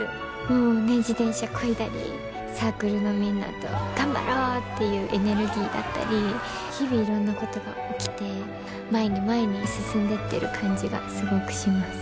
もうね自転車こいだりサークルのみんなと頑張ろうっていうエネルギーだったり日々いろんなことが起きて前に前に進んでってる感じがすごくします。